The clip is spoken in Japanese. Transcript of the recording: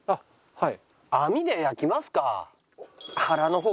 はい。